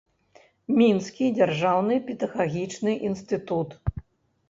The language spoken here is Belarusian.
Мінскі дзяржаўны педагагічны інстытут.